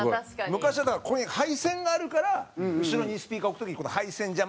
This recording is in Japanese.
昔はだからここに配線があるから後ろにスピーカー置く時に配線邪魔だなとか。